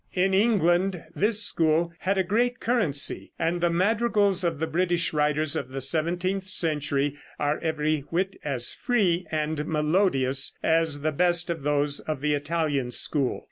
In England this school had a great currency, and the madrigals of the British writers of the seventeenth century are every whit as free and melodious as the best of those of the Italian school.